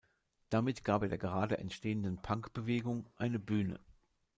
Damit gab er der gerade entstehenden Punk-Bewegung eine Bühne.